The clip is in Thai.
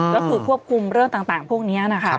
ก็คือควบคุมเรื่องต่างพวกนี้นะคะ